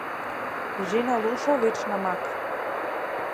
Жена лоша вечна мака.